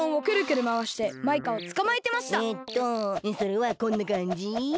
ねえそれはこんなかんじ？